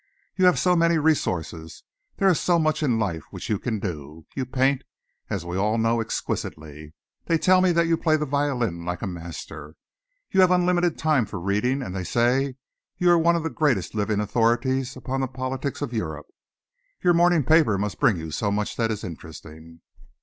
"You have so many resources, there is so much in life which you can do. You paint, as we all know, exquisitely. They tell me that you play the violin like a master. You have unlimited time for reading, and they say that you are one of the greatest living authorities upon the politics of Europe. Your morning paper must bring you so much that is interesting."